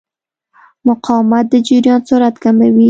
مقاومت د جریان سرعت کموي.